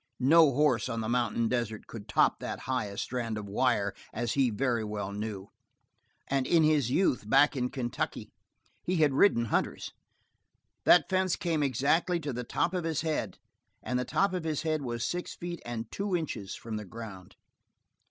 No horse on the mountain desert could top that highest strand of wire as he very well knew; and in his youth, back in Kentucky, he had ridden hunters. That fence came exactly to the top of his head, and the top of his head was six feet and two inches from the ground.